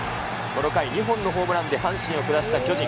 この回、２本のホームランで阪神を下した巨人。